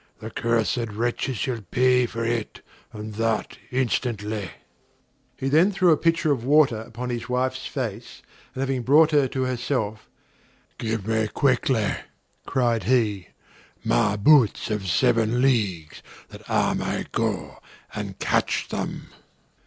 "The cursed wretches shall pay for it, and that instantly." He threw then a pitcher of water upon his wife's face; and having brought her to herself: "Give me quickly," cried he, "my boots of seven leagues, that I may go and catch them."